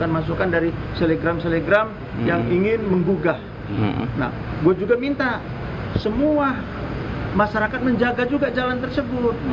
masyarakat menjaga juga jalan tersebut